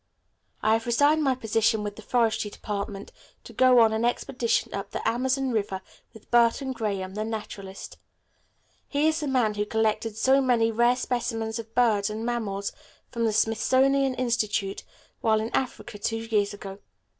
I have resigned my position with the Forestry Department to go on an expedition up the Amazon River with Burton Graham, the naturalist. He is the man who collected so many rare specimens of birds and mammals for the Smithsonian Institute while in Africa, two years ago.